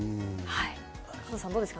加藤さん、どうですか？